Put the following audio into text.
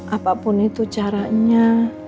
apapun itu caranya